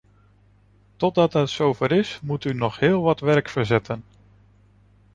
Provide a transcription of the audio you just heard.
Totdat het zover is, moet u nog heel wat werk verzetten.